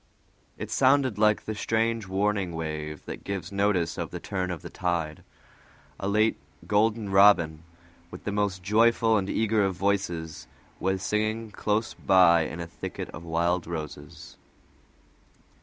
It sounded like the strange warning wave that gives notice of the turn of the tide. A late golden robin, with the most joyful and eager of voices, was singing close by in a thicket of wild roses.